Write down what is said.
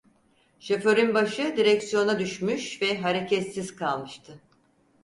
Şoförün başı direksiyona düşmüş ve hareketsiz kalmıştı.